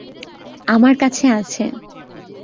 আমার কাছে আছে!